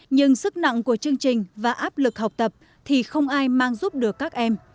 nhưng sức nặng của chương trình và áp lực học tập thì không ai mang giúp được các em